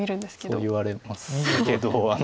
そう言われますけど。